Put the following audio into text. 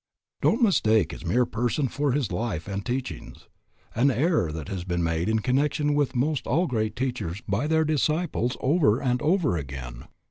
Don't mistake his mere person for his life and his teachings, an error that has been made in connection with most all great teachers by their disciples over and over again.